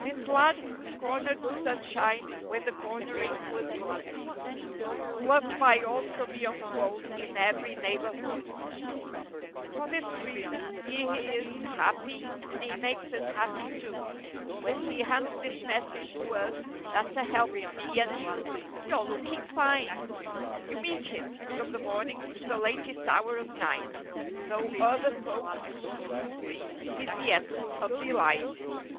This lad who's cornered sunshine when the corner¬ ing was good; Who's loved by all from young to old in every neighborhood For this reason: he is happy and he makes us happy, too When he hands this message to us that's a help to me and you— "You're looking fine!" You meet him, from the morning, to the latest hour of night, Though other folks look gloomy he's the essence of delight.